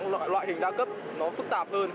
thì là em thấy những loại hình đa cấp nó phức tạp hơn